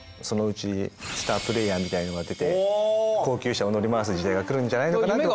そのうちスタープレーヤーみたいのが出て高級車を乗り回す時代がくるんじゃないのかなと。